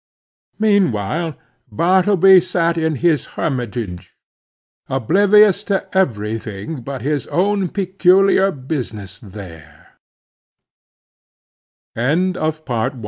Meanwhile Bartleby sat in his hermitage, oblivious to every thing but his own peculiar business ther